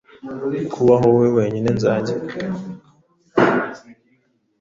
Kubaho, wowe wenyine nzagira